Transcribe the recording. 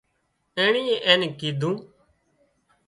اينڻيئي اين نين ڪيڌُون